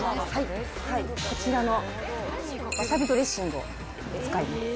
こちらのわさびドレッシングを使います。